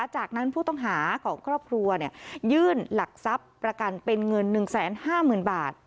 จากนั้นผู้ต้องหาของครอบครัวยื่นหลักทรัพย์ประกันเป็นเงิน๑๕๐๐๐บาท